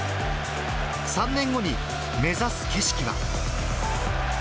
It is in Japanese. ３年後に目指す景色は。